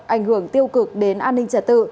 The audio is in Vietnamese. ảnh hưởng tiêu cực đến an ninh trả tự